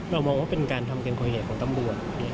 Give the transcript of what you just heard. มองว่าเป็นการทำเกินกว่าเหตุของตำรวจ